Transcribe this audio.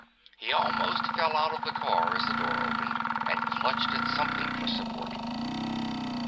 He almost fell out of the car as the door opened, and clutched at something for support.